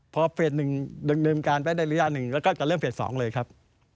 เพราะเฟสต์หนึ่งเดิมกันไปได้ระยะหนึ่งแล้วก็จะเริ่มเฟสต์๒เลยครับ